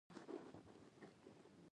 زه غواړم له تا زدهکړه وکړم.